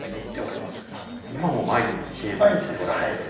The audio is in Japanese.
今も毎日比叡山に上られている？